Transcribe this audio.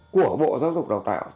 của bộ giáo dục đào tạo